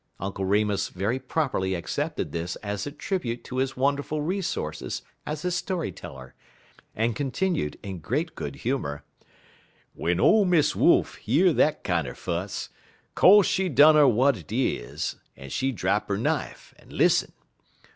Uncle Remus very properly accepted this as a tribute to his wonderful resources as a story teller, and continued, in great good humor: "W'en ole Miss Wolf year dat kinder fuss, co'se she dunner w'at is it, en she drap 'er knife en lissen.